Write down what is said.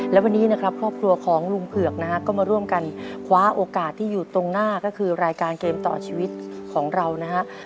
และวันนี้นะครับครอบครัวของลุงเผือกนะฮะก็มาร่วมกันคว้าโอกาสที่อยู่ตรงหน้าก็คือรายการเกมต่อชีวิตของเรานะฮะ